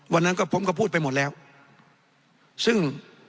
วันนั้นก็ผมก็พูดไปหมดแล้วซึ่ง